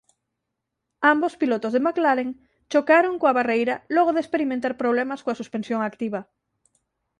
Ambos pilotos de McLaren chocaron coa barreira logo de experimentar problemas coa suspensión activa.